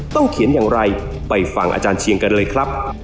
เขียนอย่างไรไปฟังอาจารย์เชียงกันเลยครับ